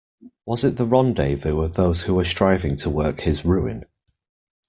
Was it the rendezvous of those who were striving to work his ruin.